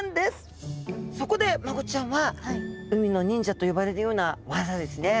そこでマゴチちゃんは海の忍者と呼ばれるような技ですね